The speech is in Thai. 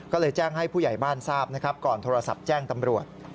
ก็เลยแจ้งให้ผู้ใหญ่บ้านทราบนะครับก่อนโทรศัพท์แจ้งตำรวจ